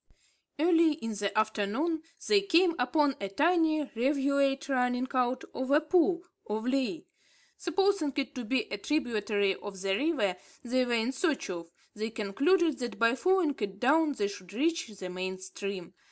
Early in the afternoon, they came upon a tiny rivulet running out of a pool, or vley. Supposing it to be a tributary of the river they were in search of, they concluded that by following it down, they should reach the main stream.